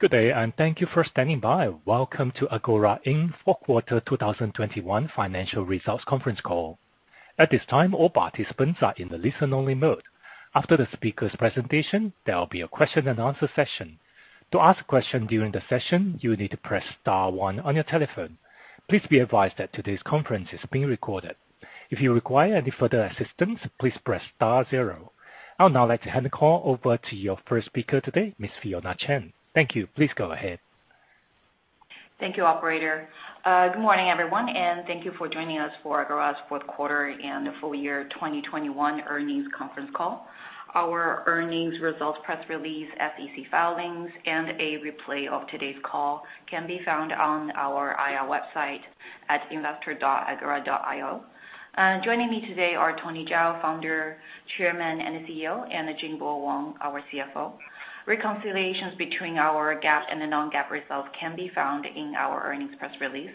Good day, thank you for standing by. Welcome to Agora, Inc. fourth quarter 2021 financial results conference call. At this time, all participants are in the listen-only mode. After the speaker's presentation, there will be a question and answer session. To ask a question during the session, you will need to press star one on your telephone. Please be advised that today's conference is being recorded. If you require any further assistance, please press star zero. I'd now like to hand the call over to your first speaker today, Ms. Fiona Chen. Thank you. Please go ahead. Thank you, operator. Good morning, everyone, and thank you for joining us for Agora's fourth quarter and full year 2021 earnings conference call. Our earnings results, press release, SEC filings, and a replay of today's call can be found on our IR website at investor.agora.io. Joining me today are Tony Zhao, Founder, Chairman, and CEO, and Jingbo Wang, our CFO. Reconciliations between our GAAP and the non-GAAP results can be found in our earnings press release.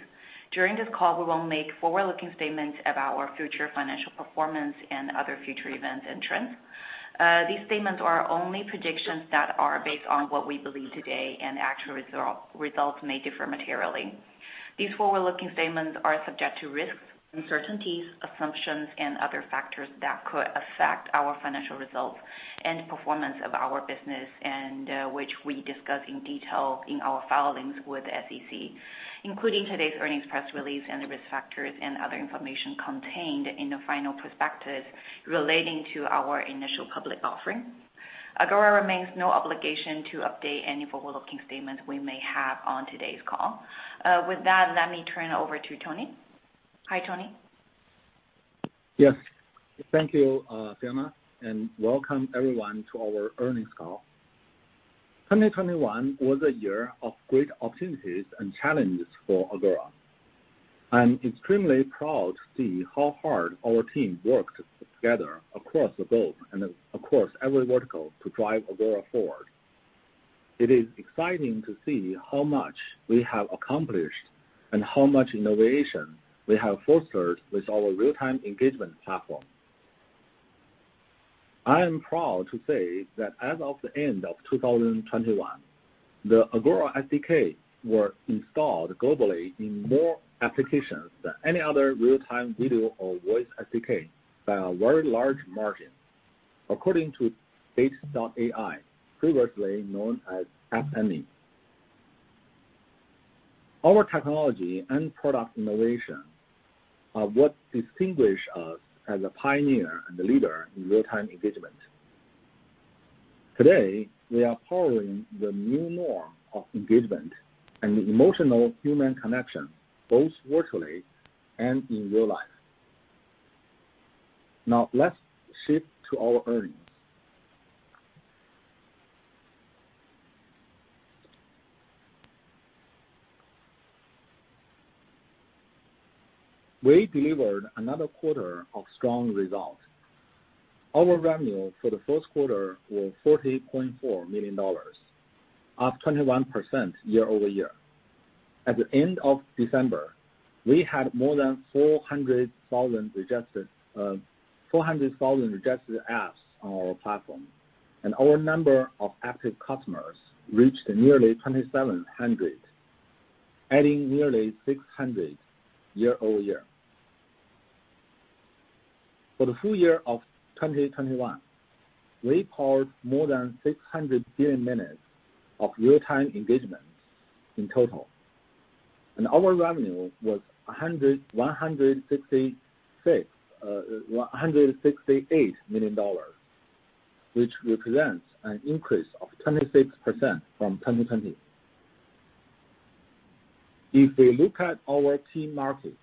During this call, we will make forward-looking statements about our future financial performance and other future events and trends. These statements are only predictions that are based on what we believe today and actual results may differ materially. These forward-looking statements are subject to risks, uncertainties, assumptions and other factors that could affect our financial results and performance of our business, and which we discuss in detail in our filings with the SEC, including today's earnings press release and the risk factors and other information contained in the final prospectus relating to our initial public offering. Agora assumes no obligation to update any forward-looking statements we may have on today's call. With that, let me turn over to Tony. Hi, Tony. Yes. Thank you, Fiona, and welcome everyone to our earnings call. 2021 was a year of great opportunities and challenges for Agora. I'm extremely proud to see how hard our team worked together across the globe and across every vertical to drive Agora forward. It is exciting to see how much we have accomplished and how much innovation we have fostered with our real-time engagement platform. I am proud to say that as of the end of 2021, the Agora SDK were installed globally in more applications than any other real-time video or voice SDK by a very large margin, according to Data.ai, previously known as App Annie. Our technology and product innovation are what distinguish us as a pioneer and a leader in real-time engagement. Today, we are powering the new norm of engagement and emotional human connection, both virtually and in real life. Now let's shift to our earnings. We delivered another quarter of strong results. Our revenue for the first quarter was $40.4 million, up 21% year-over-year. At the end of December, we had more than 400,000 registered apps on our platform, and our number of active customers reached nearly 2,700, adding nearly 600 year-over-year. For the full year of 2021, we powered more than 600 billion minutes of real-time engagements in total, and our revenue was $168 million, which represents an increase of 26% from 2020. If we look at our key markets,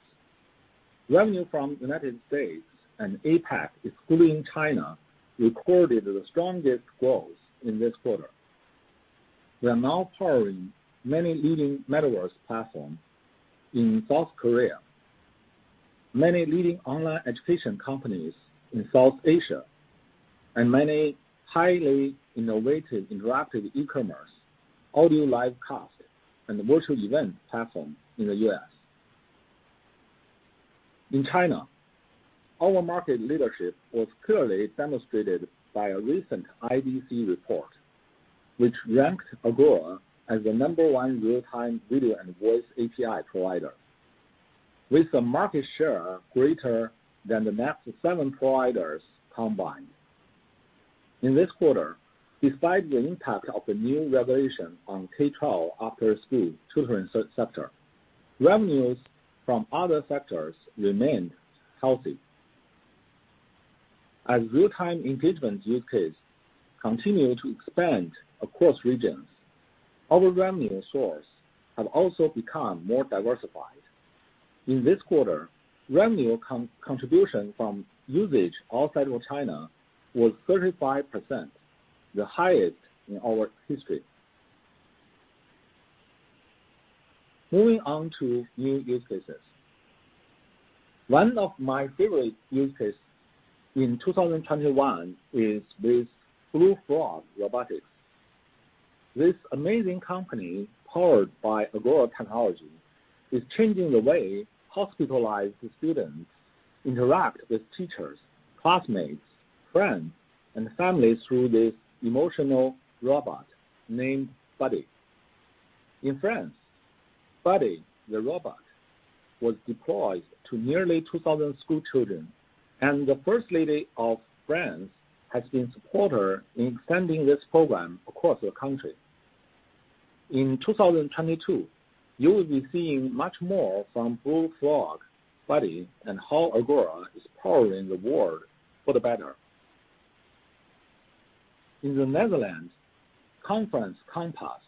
revenue from United States and APAC, excluding China, recorded the strongest growth in this quarter. We are now powering many leading Metaverse platforms in South Korea, many leading online education companies in South Asia, and many highly innovative interactive e-commerce, audio live cast, and virtual event platform in the U.S. In China, our market leadership was clearly demonstrated by a recent IBC report, which ranked Agora as the number 1 real-time video and voice API provider, with a market share greater than the next 7 providers combined. In this quarter, despite the impact of the new regulation on K-12 after-school tutoring sector, revenues from other sectors remained healthy. As real-time engagement use case continue to expand across regions, our revenue source have also become more diversified. In this quarter, revenue contribution from usage outside of China was 35%, the highest in our history. Moving on to new use cases. One of my favorite use case in 2021 is with Blue Frog Robotics. This amazing company, powered by Agora technology is changing the way hospitalized students interact with teachers, classmates, friends, and families through this emotional robot named Buddy. In France, Buddy the robot was deployed to nearly 2,000 schoolchildren, and the first lady of France has been supportive in extending this program across the country. In 2022, you will be seeing much more from Blue Frog, Buddy, and how Agora is powering the world for the better. In the Netherlands, Conference Compass,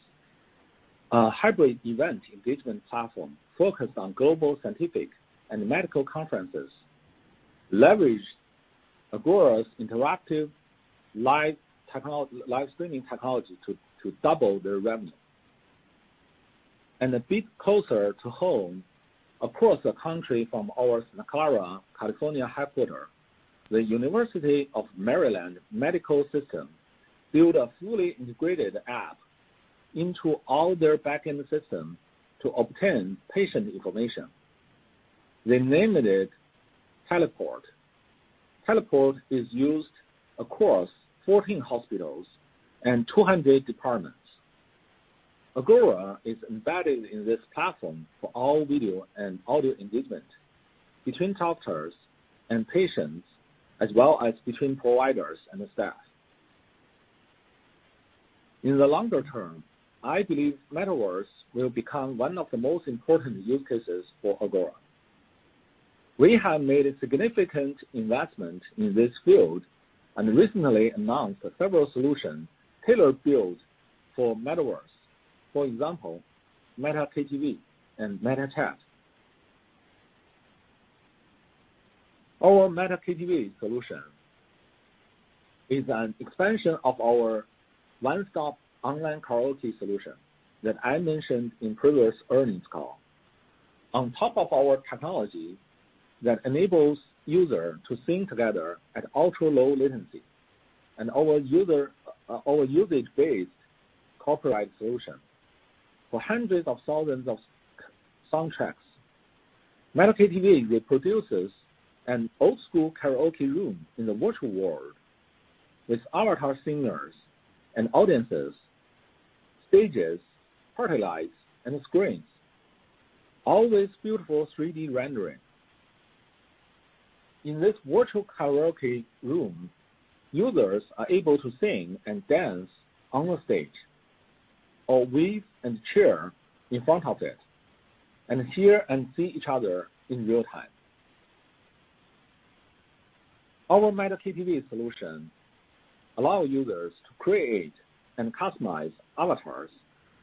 a hybrid event engagement platform focused on global, scientific, and medical conferences, leveraged Agora's interactive live technology live-streaming technology to double their revenue. A bit closer to home, across the country from our Santa Clara, California headquarters, the University of Maryland Medical System built a fully integrated app into all their back-end systems to obtain patient information. They named it Teleport. Teleport is used across 14 hospitals and 200 departments. Agora is embedded in this platform for all video and audio engagement between doctors and patients, as well as between providers and the staff. In the longer term, I believe Metaverse will become one of the most important use cases for Agora. We have made a significant investment in this field and recently announced several solutions tailor-built for Metaverse. For example, MetaKTV and MetaChat. Our MetaKTV solution is an expansion of our one-stop online karaoke solution that I mentioned in previous earnings call. On top of our technology that enables user to sing together at ultra-low latency and our usage-based copyright solution for hundreds of thousands of song tracks. MetaKTV reproduces an old-school karaoke room in the virtual world with avatar singers and audiences, stages, party lights, and screens. All these beautiful 3D rendering. In this virtual karaoke room, users are able to sing and dance on the stage or wave and cheer in front of it and hear and see each other in real-time. Our MetaKTV solution allow users to create and customize avatars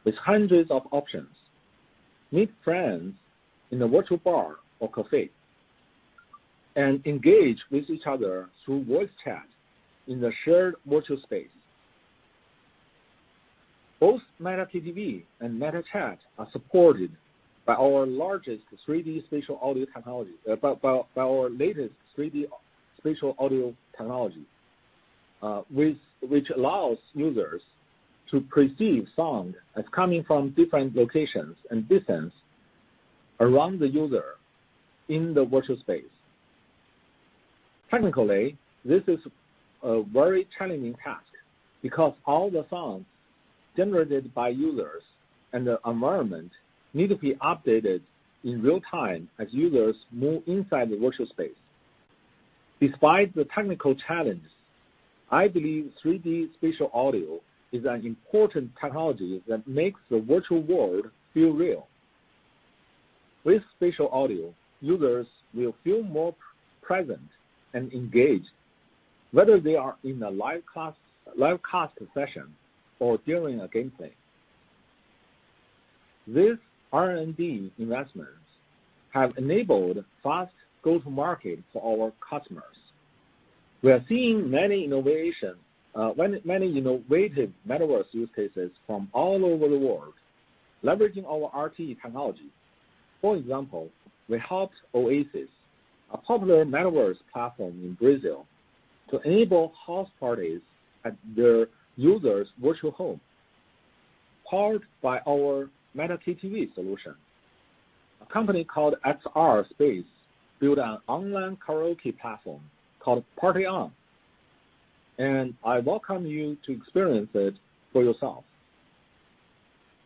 with hundreds of options, meet friends in a virtual bar or cafe, and engage with each other through voice chat in the shared virtual space. Both MetaKTV and MetaChat are supported by our latest 3D spatial audio technology, which allows users to perceive sound as coming from different locations and distance around the user in the virtual space. Technically, this is a very challenging task because all the sounds generated by users and the environment need to be updated in real-time as users move inside the virtual space. Despite the technical challenge, I believe 3D spatial audio is an important technology that makes the virtual world feel real. With spatial audio, users will feel more present and engaged, whether they are in a live class session or during a gameplay. These R&D investments have enabled fast go-to-market for our customers. We are seeing many innovative Metaverse use cases from all over the world leveraging our RTE technology. For example, we helped Oasis, a popular Metaverse platform in Brazil, to enable house parties at their users' virtual home, powered by our MetaKTV solution. A company called XRSPACE built an online karaoke platform called Party On, and I welcome you to experience it for yourself.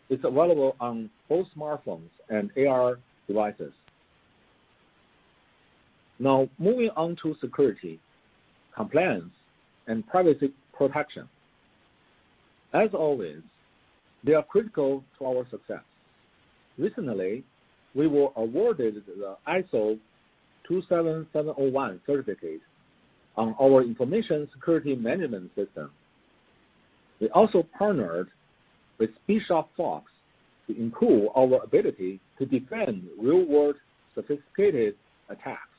It's available on both smartphones and AR devices. Now, moving on to security, compliance, and privacy protection. As always, they are critical to our success. Recently, we were awarded the ISO/IEC 27701 certificate on our information security management system. We also partnered with Bishop Fox to improve our ability to defend real-world sophisticated attacks.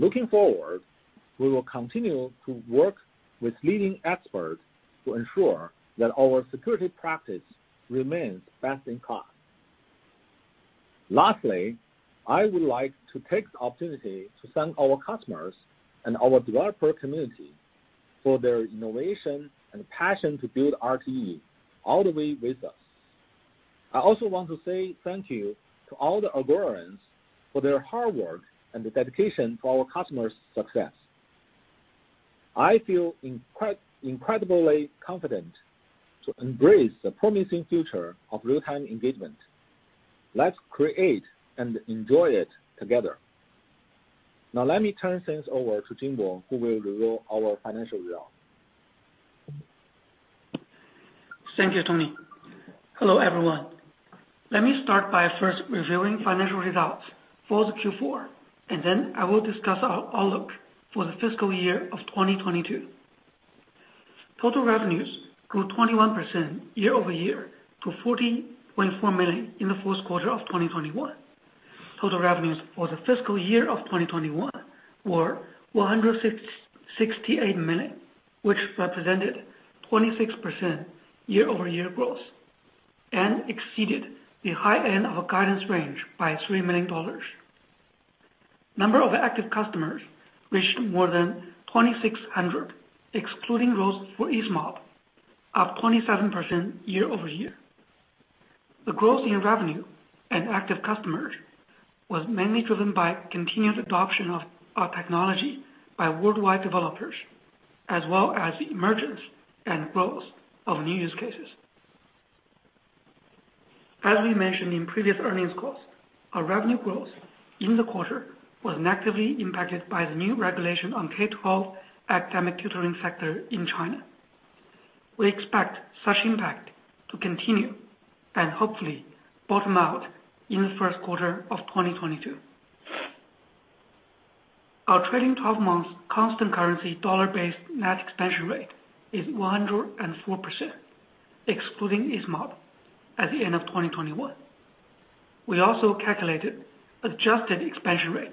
Looking forward, we will continue to work with leading experts to ensure that our security practice remains best in class. Lastly, I would like to take the opportunity to thank our customers and our developer community for their innovation and passion to build RTE all the way with us. I also want to say thank you to all the Agorans for their hard work and the dedication to our customers' success. I feel incredibly confident to embrace the promising future of real-time engagement. Let's create and enjoy it together. Now let me turn things over to Jingbo, who will reveal our financial results. Thank you, Tony. Hello, everyone. Let me start by first reviewing financial results for the Q4, and then I will discuss our outlook for the fiscal year of 2022. Total revenues grew 21% year-over-year to $40.4 million in the first quarter of 2021. Total revenues for the fiscal year of 2021 were $168 million, which represented 26% year-over-year growth and exceeded the high end of our guidance range by $3 million. Number of active customers reached more than 2,600, excluding growth for EaseMob, up 27% year-over-year. The growth in revenue and active customers was mainly driven by continued adoption of our technology by worldwide developers, as well as the emergence and growth of new use cases. As we mentioned in previous earnings calls, our revenue growth in the quarter was negatively impacted by the new regulation on K-12 academic tutoring sector in China. We expect such impact to continue and hopefully bottom out in the first quarter of 2022. Our trailing twelve months constant currency dollar-based net expansion rate is 104%, excluding EaseMob at the end of 2021. We also calculated adjusted expansion rate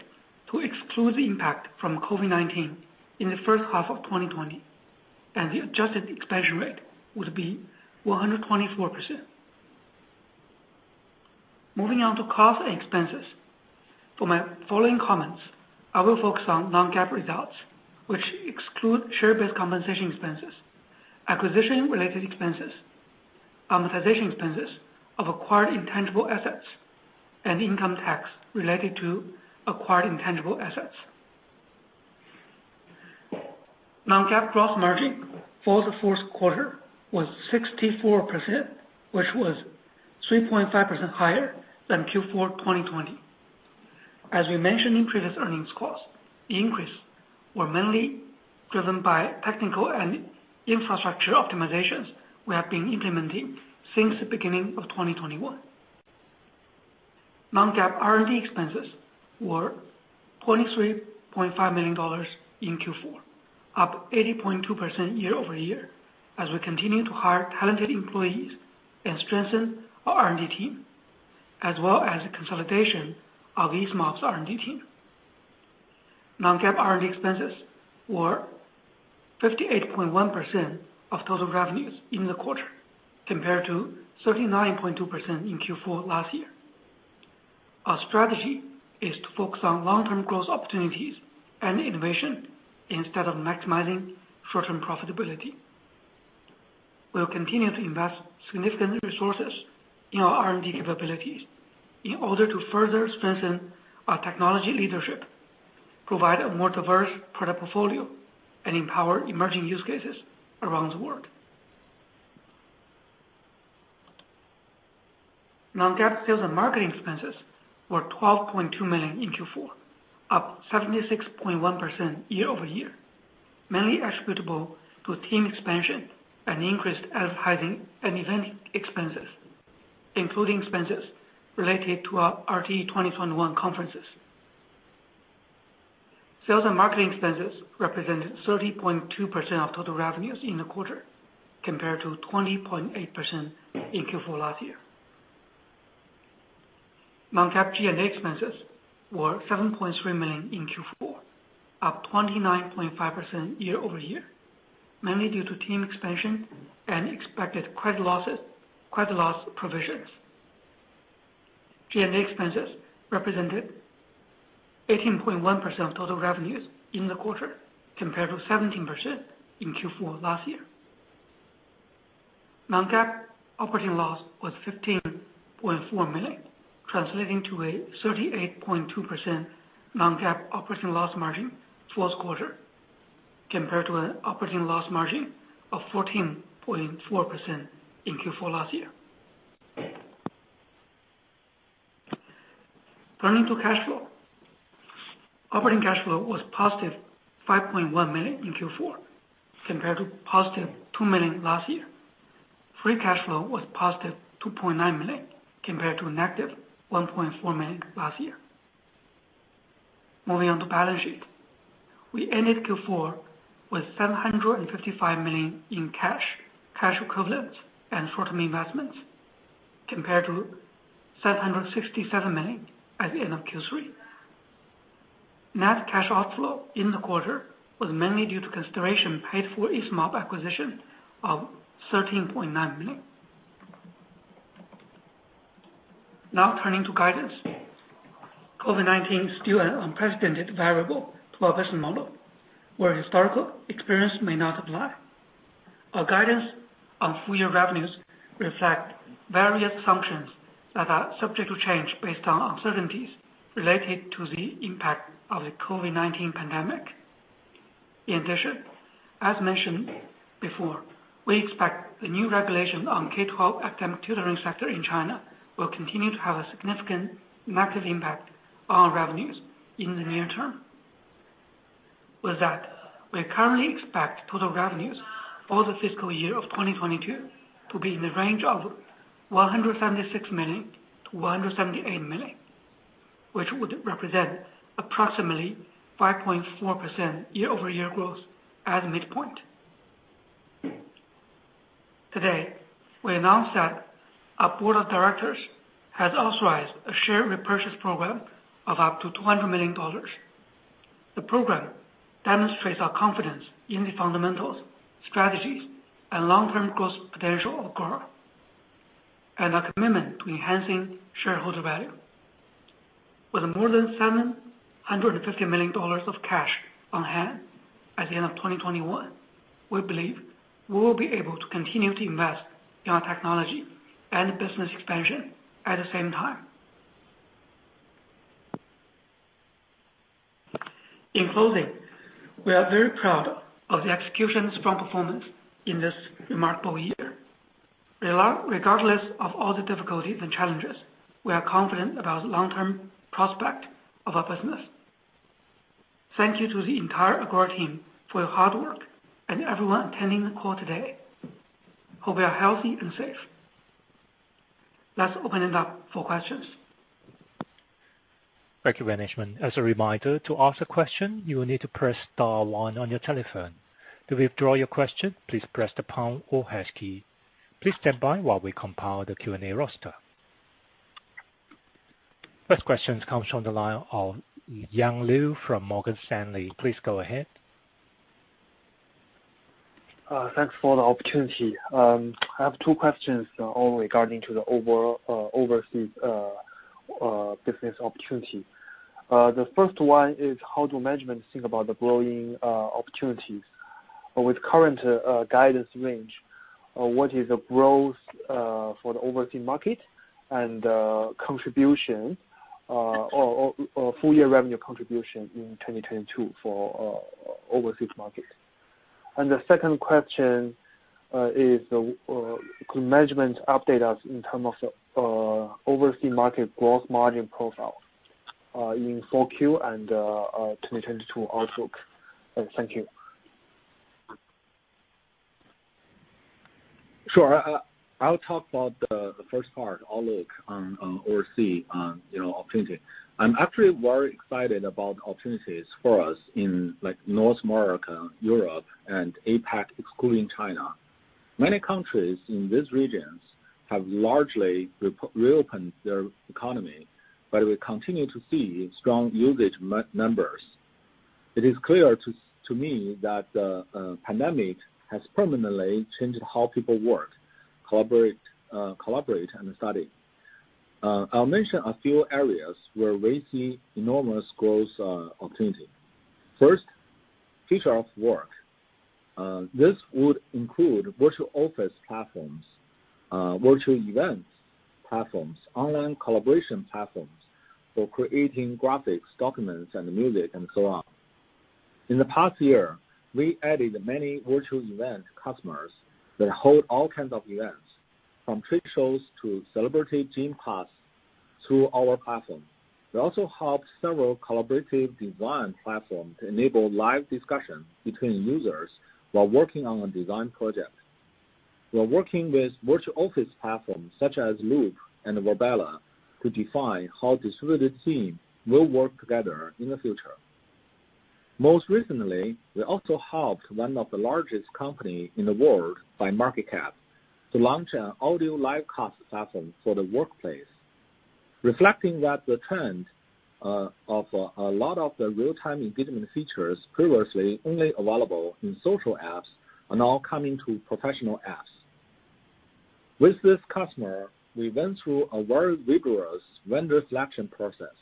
to exclude the impact from COVID-19 in the first half of 2020, and the adjusted expansion rate would be 124%. Moving on to costs and expenses. For my following comments, I will focus on non-GAAP results, which exclude share-based compensation expenses, acquisition related expenses, amortization expenses of acquired intangible assets, and income tax related to acquired intangible assets. Non-GAAP gross margin for the fourth quarter was 64%, which was 3.5% higher than Q4 2020. As we mentioned in previous earnings calls, the increase were mainly driven by technical and infrastructure optimizations we have been implementing since the beginning of 2021. Non-GAAP R&D expenses were $23.5 million in Q4, up 80.2% year-over-year, as we continue to hire talented employees and strengthen our R&D team, as well as the consolidation of EaseMob's R&D team. Non-GAAP R&D expenses were 58.1% of total revenues in the quarter, compared to 39.2% in Q4 last year. Our strategy is to focus on long-term growth opportunities and innovation instead of maximizing short-term profitability. We'll continue to invest significant resources in our R&D capabilities in order to further strengthen our technology leadership, provide a more diverse product portfolio, and empower emerging use cases around the world. Non-GAAP sales and marketing expenses were $12.2 million in Q4, up 76.1% year-over-year, mainly attributable to team expansion and increased advertising and event expenses, including expenses related to our RTE 2021 conferences. Sales and marketing expenses represented 30.2% of total revenues in the quarter, compared to 20.8% in Q4 last year. Non-GAAP G&A expenses were $7.3 million in Q4, up 29.5% year-over-year, mainly due to team expansion and expected credit losses, credit loss provisions. G&A expenses represented 18.1% of total revenues in the quarter, compared to 17% in Q4 last year. Non-GAAP operating loss was $15.4 million, translating to a 38.2% non-GAAP operating loss margin for this quarter, compared to an operating loss margin of 14.4% in Q4 last year. Turning to cash flow. Operating cash flow was positive $5.1 million in Q4, compared to positive $2 million last year. Free cash flow was positive $2.9 million, compared to a negative $1.4 million last year. Moving on to balance sheet. We ended Q4 with $755 million in cash equivalents and short-term investments, compared to $767 million at the end of Q3. Net cash outflow in the quarter was mainly due to consideration paid for EaseMob acquisition of $13.9 million. Now turning to guidance. COVID-19 is still an unprecedented variable to our business model, where historical experience may not apply. Our guidance on full year revenues reflect various functions that are subject to change based on uncertainties related to the impact of the COVID-19 pandemic. In addition, as mentioned before, we expect the new regulation on K-12 academic tutoring sector in China will continue to have a significant negative impact on our revenues in the near term. With that, we currently expect total revenues for the fiscal year of 2022 to be in the range of $176 million-$178 million, which would represent approximately 5.4% year-over-year growth at midpoint. Today, we announced that our board of directors has authorized a share repurchase program of up to $200 million. The program demonstrates our confidence in the fundamentals, strategies, and long-term growth potential of Agora and our commitment to enhancing shareholder value. With more than $750 million of cash on hand at the end of 2021, we believe we will be able to continue to invest in our technology and business expansion at the same time. In closing, we are very proud of the execution, strong performance in this remarkable year. Regardless of all the difficulties and challenges, we are confident about the long-term prospect of our business. Thank you to the entire Agora team for your hard work and everyone attending the call today. Hope you are healthy and safe. Let's open it up for questions. Thank you, management. As a reminder, to ask a question, you will need to press star one on your telephone. To withdraw your question, please press the pound or hash key. Please stand by while we compile the Q&A roster. First question comes from the line of Yang Liu from Morgan Stanley. Please go ahead. Thanks for the opportunity. I have two questions all regarding the overseas business opportunity. The first one is: How do management think about the growing opportunities? With current guidance range, what is the growth for the overseas market and contribution or full year revenue contribution in 2022 for overseas market? The second question is could management update us in terms of overseas market growth margin profile in Q4 and 2022 outlook. Thank you. Sure. I'll talk about the first part, outlook on overseas, you know, opportunity. I'm actually very excited about the opportunities for us in, like, North America, Europe, and APAC, excluding China. Many countries in these regions have largely reopened their economy, but we continue to see strong usage numbers. It is clear to me that the pandemic has permanently changed how people work, collaborate, and study. I'll mention a few areas where we see enormous growth opportunity. First, future of work. This would include virtual office platforms, virtual events platforms, online collaboration platforms for creating graphics, documents, and music and so on. In the past year, we added many virtual event customers that hold all kinds of events, from trade shows to celebrity gym class through our platform. We also helped several collaborative design platforms to enable live discussion between users while working on a design project. We're working with virtual office platforms such as Loop and Roam to define how distributed teams will work together in the future. Most recently, we also helped one of the largest companies in the world by market cap to launch an audio live cast platform for the workplace, reflecting that the trend of a lot of the real-time engagement features previously only available in social apps are now coming to professional apps. With this customer, we went through a very rigorous vendor selection process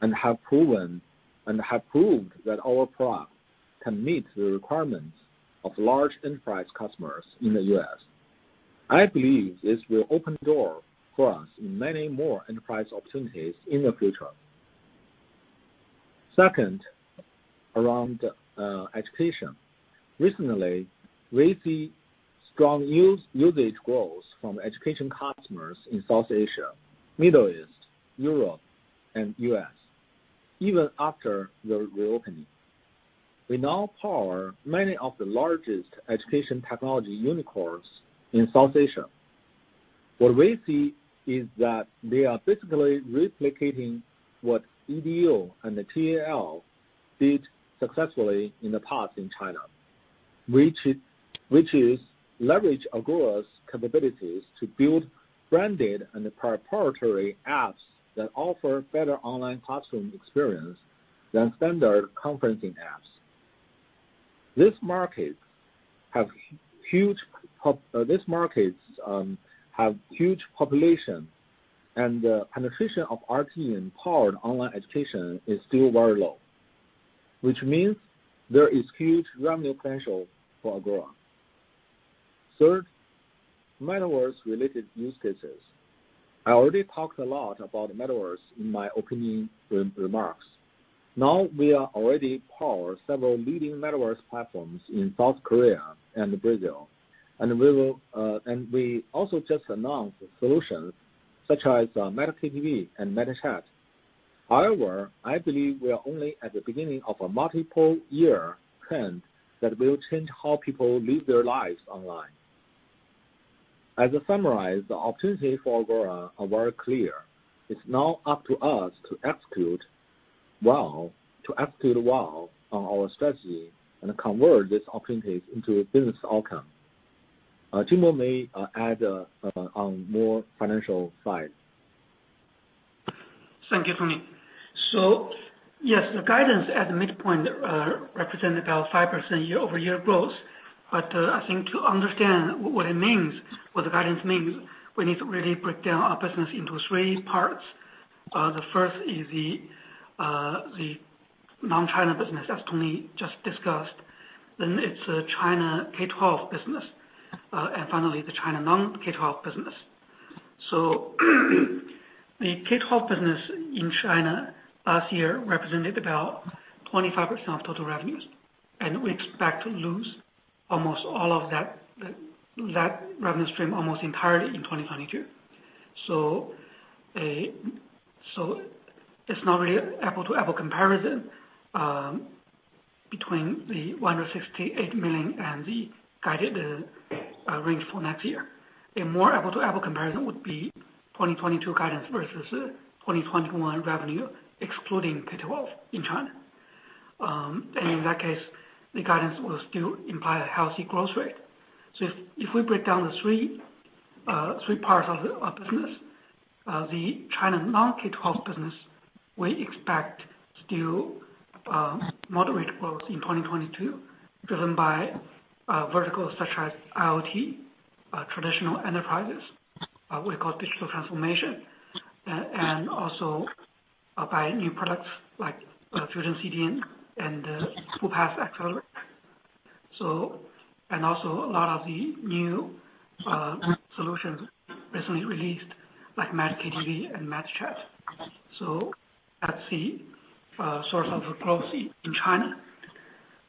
and have proved that our product can meet the requirements of large enterprise customers in the U.S. I believe this will open doors for us in many more enterprise opportunities in the future. Second, around education. Recently, we see strong usage growth from education customers in South Asia, Middle East, Europe, and U.S., even after the reopening. We now power many of the largest education technology unicorns in South Asia. What we see is that they are basically replicating what EDU and the TAL did successfully in the past in China, which is leverage Agora's capabilities to build branded and proprietary apps that offer better online classroom experience than standard conferencing apps. This market has huge population and penetration of RT and powered online education is still very low, which means there is huge revenue potential for Agora. Third, Metaverse related use cases. I already talked a lot about Metaverse in my opening remarks. Now we are already powering several leading Metaverse platforms in South Korea and Brazil, and we will, and we also just announced solutions such as, MetaKTV and MetaChat. However, I believe we are only at the beginning of a multi-year trend that will change how people live their lives online. As I summarize, the opportunity for Agora are very clear. It's now up to us to execute well on our strategy and convert these opportunities into business outcome. Jingbo may add on more financial side. Thank you, Tony. Yes, the guidance at the midpoint represent about 5% year-over-year growth. I think to understand what it means, what the guidance means, we need to really break down our business into three parts. The first is the non-China business, as Tony just discussed, then it's the China K-12 business, and finally the China non-K-12 business. The K-12 business in China last year represented about 25% of total revenues, and we expect to lose almost all of that revenue stream almost entirely in 2022. It's not really apple-to-apple comparison between the $168 million and the guided range for next year. A more apple-to-apple comparison would be 2022 guidance versus 2021 revenue excluding K-12 in China. In that case, the guidance will still imply a healthy growth rate. If we break down the three parts of our business, the China non-K-12 business, we expect to do moderate growth in 2022, driven by verticals such as IoT, traditional enterprises we call digital transformation, and also by new products like Fusion CDN and Full-Path Accelerator, and also a lot of the new solutions recently released, like MetaKTV and MetaChat. That's the source of growth in China.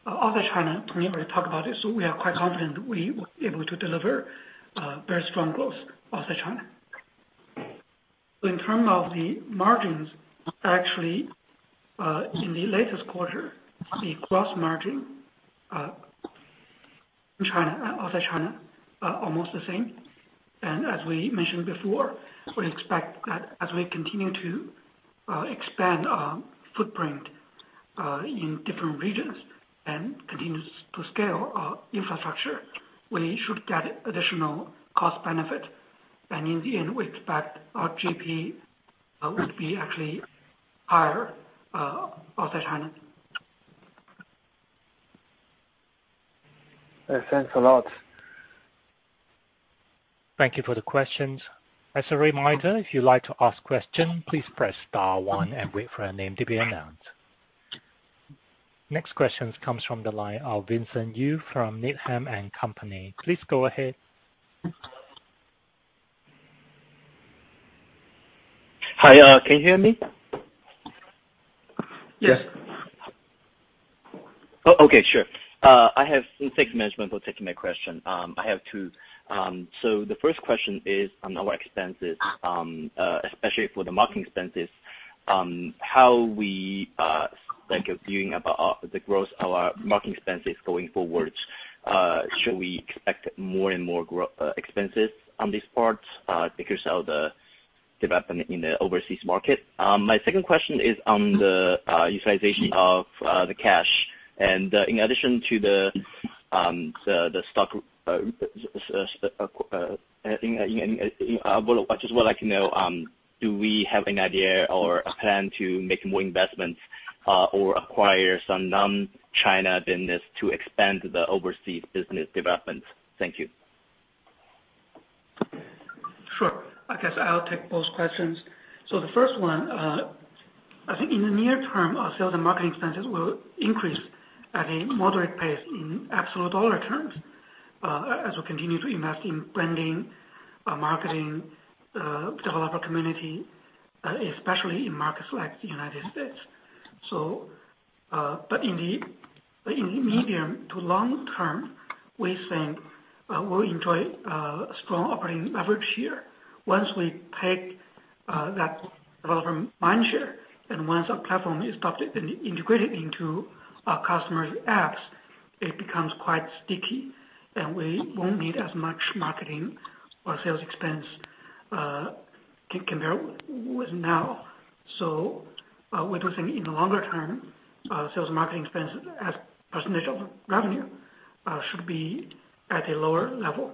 Outside China, Tony already talked about this, so we are quite confident we will be able to deliver very strong growth outside China. In terms of the margins, actually, in the latest quarter, the gross margin in China and outside China are almost the same. As we mentioned before, we expect that as we continue to expand our footprint in different regions and continue to scale our infrastructure, we should get additional cost benefit. In the end, we expect our GP would be actually higher outside China. Thanks a lot. Thank you for the questions. As a reminder, if you'd like to ask a question, please press star one and wait for your name to be announced. Next question comes from the line of Vincent Yu from Needham & Company. Please go ahead. Hi, can you hear me? Yes. Okay. Sure. Thanks, management, for taking my question. I have two. The first question is on your expenses, especially for the marketing expenses, how you are viewing about the growth of your marketing expenses going forward. Should we expect more and more growth expenses on this part because of the development in the overseas market? My second question is on the utilization of the cash and in addition to the stock, well, I just would like to know, do you have an idea or a plan to make more investments or acquire some non-China business to expand the overseas business development? Thank you. Sure. I guess I'll take both questions. The first one, I think in the near term, our sales and marketing expenses will increase at a moderate pace in absolute dollar terms, as we continue to invest in branding, marketing, developer community, especially in markets like the United States. In the medium to long term, we think we'll enjoy strong operating leverage here. Once we take that developer mind share, and once our platform is adopted and integrated into our customers' apps, it becomes quite sticky, and we won't need as much marketing or sales expense, compared with now. We do think in the longer term, sales and marketing expense as percentage of revenue should be at a lower level,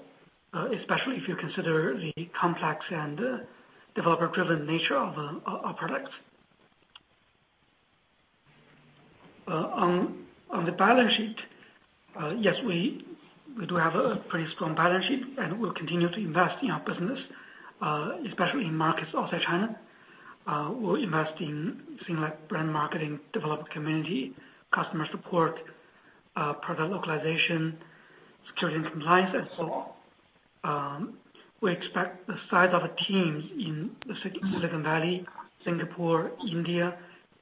especially if you consider the complex and developer-driven nature of our products. On the balance sheet, yes, we do have a pretty strong balance sheet, and we'll continue to invest in our business, especially in markets outside China. We'll invest in things like brand marketing, develop community, customer support, product localization, security and compliance, and so on. We expect the size of a team in the Silicon Valley, Singapore, India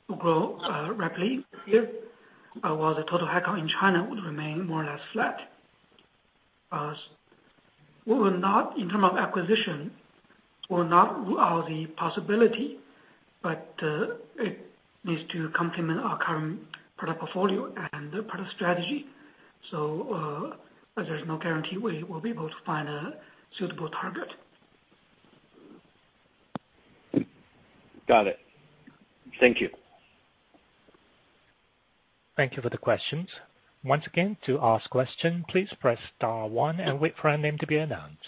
to grow rapidly this year, while the total headcount in China would remain more or less flat. We will not rule out the possibility in terms of acquisition, but it needs to complement our current product portfolio and product strategy. But there's no guarantee we will be able to find a suitable target. Got it. Thank you. Thank you for the questions. Once again, to ask question, please press star one and wait for your name to be announced.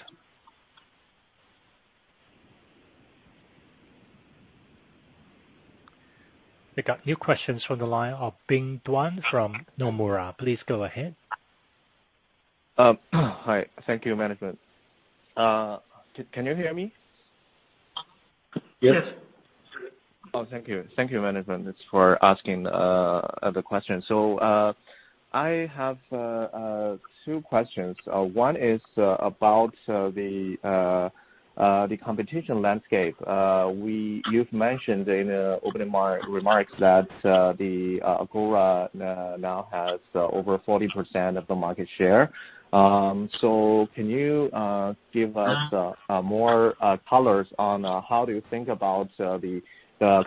We got new questions from the line of Bing Duan from Nomura. Please go ahead. Hi. Thank you, management. Can you hear me? Yes. Yes. Oh, thank you. Thank you, management, for asking the question. I have two questions. One is about the competition landscape. You've mentioned in opening remarks that Agora now has over 40% of the market share. Can you give us more colors on how you think about the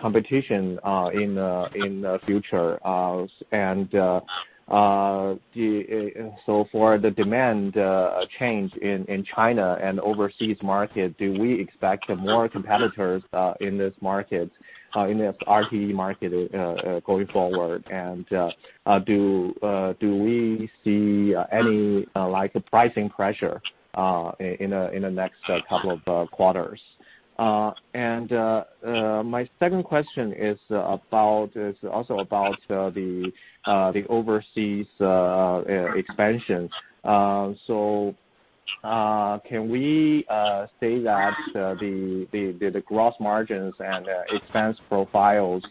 competition in the future? For the demand change in China and overseas market, do we expect more competitors in this market in the RTE market going forward? Do we see any like pricing pressure in the next couple of quarters? My second question is also about the overseas expansion. Can we say that the gross margins and expense profiles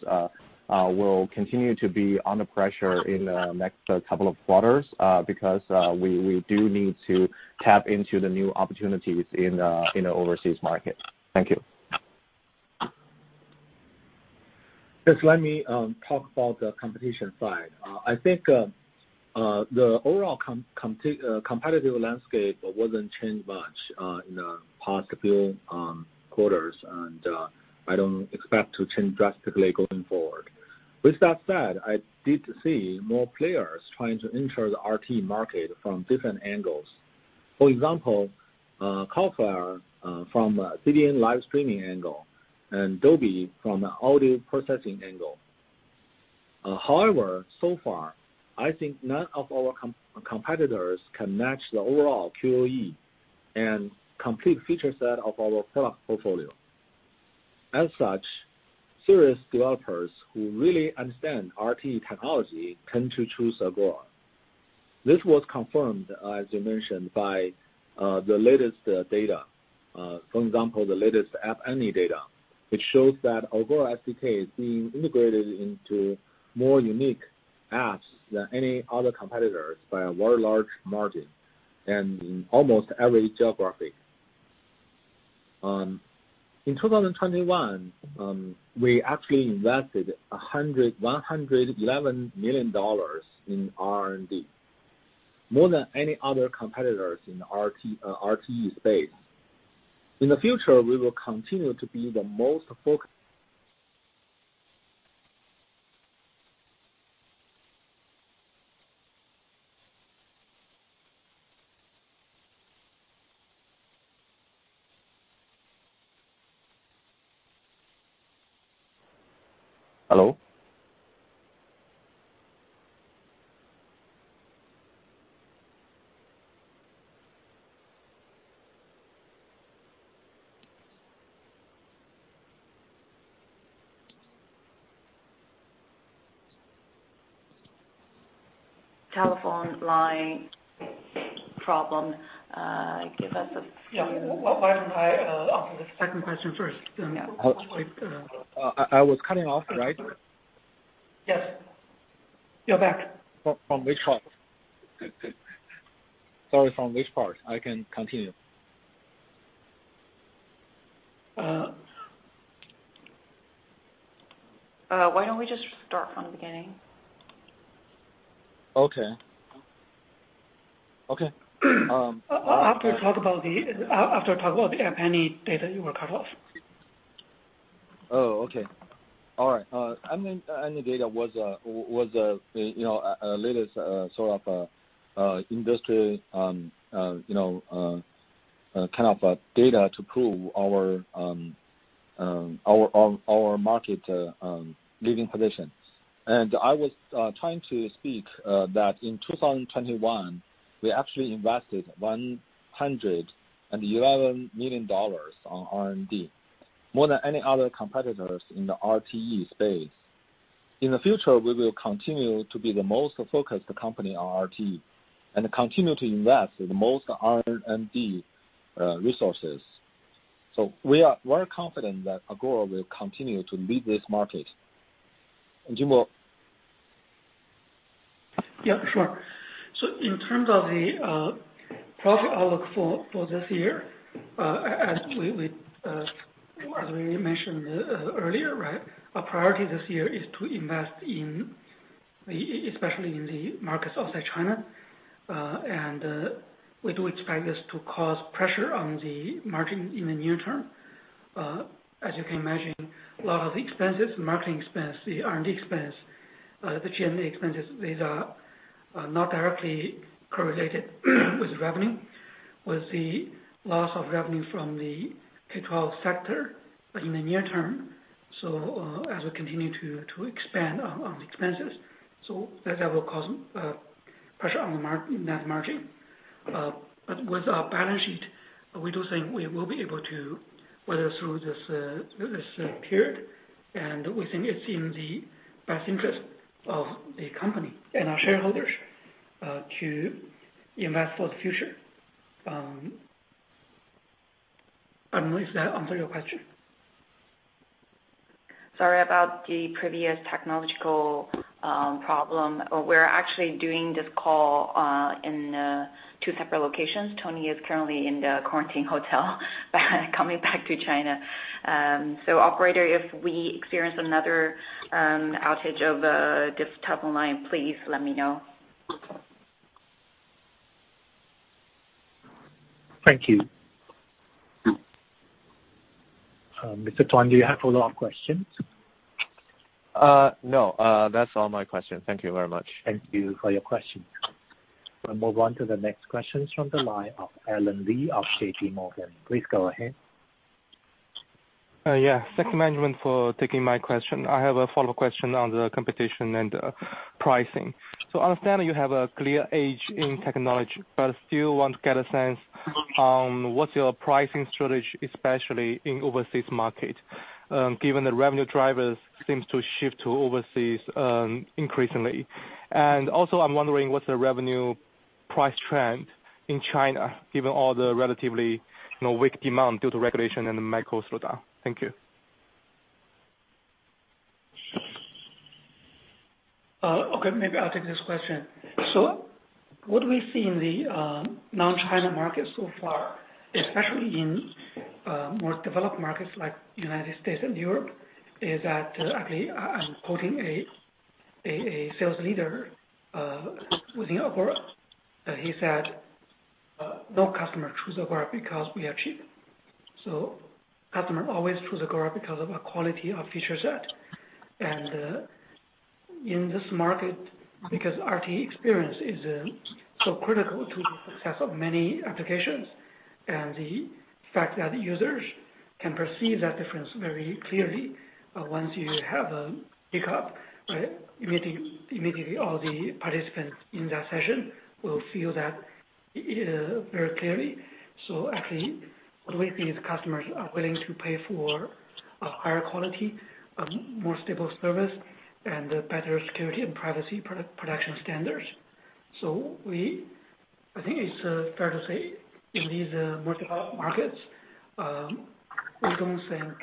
will continue to be under pressure in the next couple of quarters because we do need to tap into the new opportunities in the overseas market? Thank you. Yes, let me talk about the competition side. I think the overall competitive landscape wasn't changed much in the past few quarters, and I don't expect to change drastically going forward. With that said, I did see more players trying to enter the RTE market from different angles. For example, Cloudflare from a CDN live streaming angle and Adobe from an audio processing angle. However, so far, I think none of our competitors can match the overall QoE and complete feature set of our product portfolio. As such, serious developers who really understand RTE technology tend to choose Agora. This was confirmed, as you mentioned, by the latest data. For example, the latest App Annie data, which shows that Agora SDK is being integrated into more unique apps than any other competitors by a very large margin and in almost every geography. In 2021, we actually invested $111 million in R&D, more than any other competitors in the RTE space. In the future, we will continue to be the most focused- Hello? Telephone line problem. Give us a few Yeah. Why don't I ask the second question first? Yeah. We wait. I was cutting off, right? Yes. You're back. From which part? Sorry, from which part? I can continue. Why don't we just start from the beginning? Okay. Okay. After you talk about the App Annie data, you were cut off. Oh, okay. All right. I mean, App Annie data was you know, a latest sort of industry you know, kind of data to prove our market leading position. I was trying to speak that in 2021, we actually invested $111 million on R&D, more than any other competitors in the RTE space. In the future, we will continue to be the most focused company on RTE and continue to invest in the most R&D resources. We are very confident that Agora will continue to lead this market. Jingbo will... Yeah, sure. In terms of the profit outlook for this year, as we mentioned earlier, right? Our priority this year is to invest especially in the markets outside China. We do expect this to cause pressure on the margin in the near term. As you can imagine, a lot of the expenses, marketing expense, the R&D expense, the G&A expenses, these are not directly correlated with revenue, with the loss of revenue from the K-12 sector in the near term. As we continue to expand on the expenses, that will cause pressure on the net margin. With our balance sheet, we do think we will be able to weather through this period. We think it's in the best interest of the company and our shareholders, to invest for the future. I don't know. Does that answer your question? Sorry about the previous technological problem. We're actually doing this call in two separate locations. Tony is currently in the quarantine hotel coming back to China. Operator, if we experience another outage over this telephone line, please let me know. Thank you. Mr. Duan, do you have follow-up questions? No. That's all my questions. Thank you very much. Thank you for your question. We'll move on to the next questions from the line of Allen Li of JP Morgan. Please go ahead. Yeah. Thank you, management, for taking my question. I have a follow-up question on the competition and pricing. I understand you have a clear edge in technology, but still want to get a sense on what's your pricing strategy, especially in overseas market, given the revenue drivers seems to shift to overseas, increasingly. Also I'm wondering, what's the revenue price trend in China, given all the relatively, you know, weak demand due to regulation and the macro slowdown? Thank you. Okay, maybe I'll take this question. What we see in the non-China market so far, especially in more developed markets like United States and Europe, is that actually I'm quoting a sales leader within Agora. He said, "No customer choose Agora because we are cheap." Customer always choose Agora because of our quality of feature set. In this market, because RTE experience is so critical to the success of many applications, and the fact that users can perceive that difference very clearly. Once you have a hiccup, right? Immediately all the participants in that session will feel that very clearly. Actually, what we see is customers are willing to pay for a higher quality, a more stable service, and better security and privacy production standards. I think it's fair to say in these more developed markets, we don't think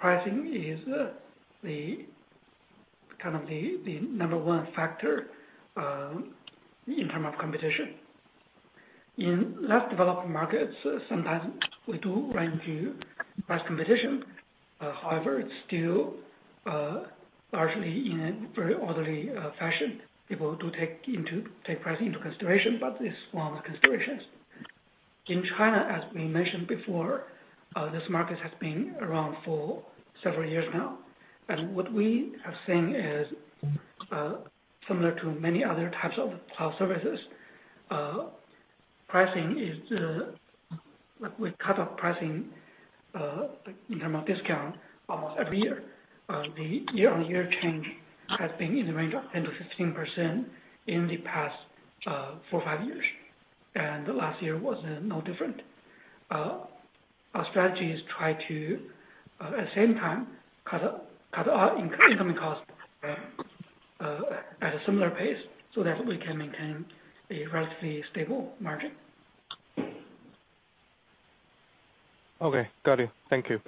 pricing is, kind of, the number one factor in terms of competition. In less developed markets, sometimes we do run into price competition. However, it's still largely in a very orderly fashion. People do take pricing into consideration, but it's one of the considerations. In China, as we mentioned before, this market has been around for several years now. What we have seen is similar to many other types of cloud services. Pricing is, like, we cut our pricing in terms of discount almost every year. The year-on-year change has been in the range of 10%-15% in the past four to five years. Last year was no different. Our strategy is try to at the same time cut our income costs at a similar pace, so that we can maintain a relatively stable margin. Okay. Got it. Thank you.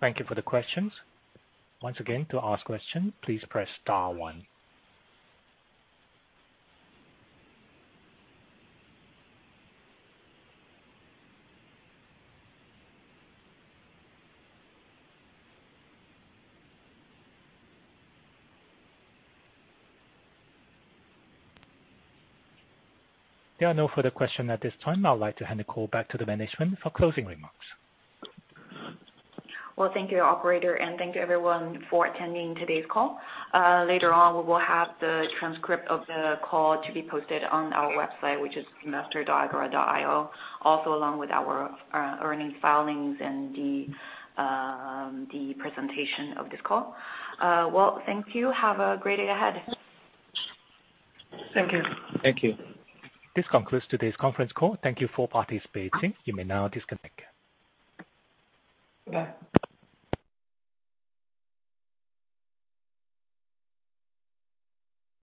Thank you for the questions. Once again, to ask question, please press star one. There are no further question at this time. I would like to hand the call back to the management for closing remarks. Well, thank you, operator, and thank you everyone for attending today's call. Later on, we will have the transcript of the call to be posted on our website, which is investor.agora.io, also along with our earnings filings and the presentation of this call. Well, thank you. Have a great day ahead. Thank you. Thank you. This concludes today's conference call. Thank you for participating. You may now disconnect. Bye.